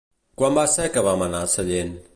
Quan va ser que vam anar a Sellent?